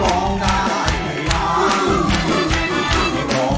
น้องเตอร์ร้อง